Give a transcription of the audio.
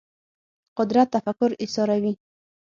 قدرت تفکر ایساروي